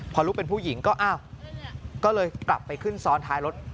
พอลูกเป็นผู้หญิงก็อ้าวก็เลยกลับไปขึ้นซ้อนท้ายรถ